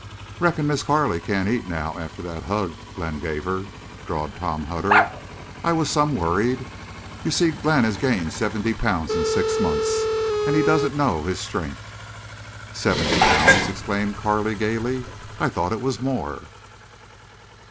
"Reckon Miss Carley can't eat now, after that hug Glenn gave her," drawled Tom Hutter. "I was some worried. You see Glenn has gained seventy pounds in six months. An' he doesn't know his strength." "Seventy pounds!" exclaimed Carley, gayly. "I thought it was more."